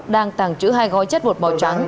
đang tăng chữ hai gói chất bột màu trắng